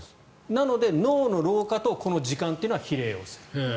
なので、脳の老化とこの時間は比例する。